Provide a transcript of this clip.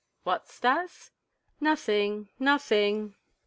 "What, Stas?" "Nothing, nothing.